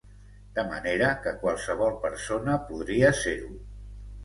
De manera que qualsevol persona podria ser-ho.